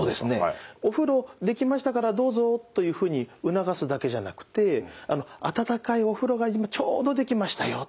「お風呂出来ましたからどうぞ」というふうに促すだけじゃなくて「温かいお風呂が今ちょうど出来ましたよ」と言ったり。